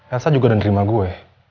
elsa juga udah nerima gue